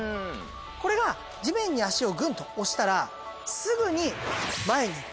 「これが地面に足をグンと押したらすぐに前にいく」